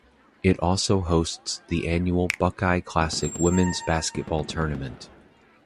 It also hosts the annual Buckeye Classic women's basketball tournament.